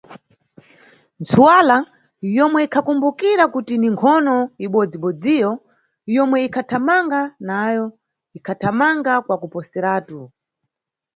Ntsuwala, yomwe ikhakumbukira kuti ni nkhono ibodzi-bodziyo yomwe inkhathamanga nayo, ikhathamanga kwa kuposeratu.